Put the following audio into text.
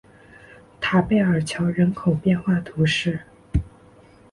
埃贝尔桥人口变化图示